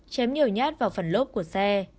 chém nhiều nhát vào phần lốp của xe